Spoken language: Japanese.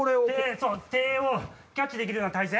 手をキャッチできるような体勢。